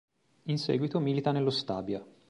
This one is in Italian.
In seguito milita nello Stabia.